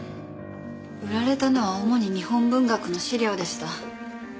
売られたのは主に日本文学の資料でした。